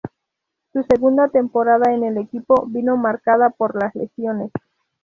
Su segunda temporada en el equipo vino marcada por las lesiones.